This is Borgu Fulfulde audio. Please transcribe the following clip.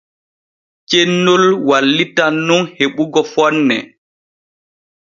Cennol wallitan nun heɓugo fonne.